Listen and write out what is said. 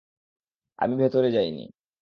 আমি ভেতরে যাইনি।